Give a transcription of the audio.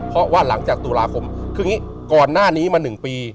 เพราะว่าหลังจากตุลาคมคืออย่างนี้ก่อนหน้านี้มา๑ปี